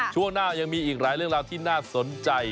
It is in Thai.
ช่วงหน้ายังมีอีกหลายเรื่องราวที่น่าสนใจ